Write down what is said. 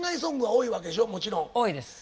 多いです。